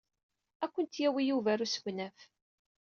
Ad kent-yawi Yuba ɣer usegnaf.